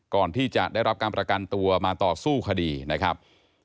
ก่อนที่จะได้รับการประกันตัวมาต่อสู้คดีนะครับ